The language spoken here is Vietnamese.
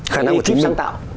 khả năng của ekip sáng tạo